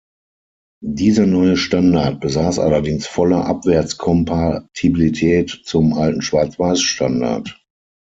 Dieser neue Standard besaß allerdings volle Abwärtskompatibilität zum alten Schwarzweiß-Standard.